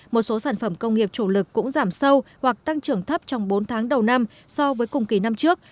một số sản phẩm công nghiệp chủ lực cũng giảm sâu hoặc tăng trưởng thấp trong bốn tháng đầu năm so với cùng kỳ năm trước